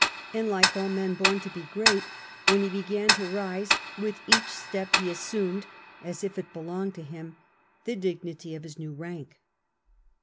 And, like all men bom to be great, when he began to rise, with each step he assumed, as if it belonged to him, the dignity of his new rank.